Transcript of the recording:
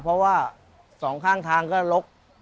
เพราะว่าสองข้างทางก็ลก